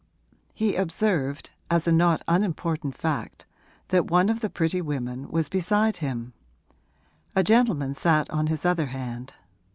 He observed as a not unimportant fact that one of the pretty women was beside him: a gentleman sat on his other hand.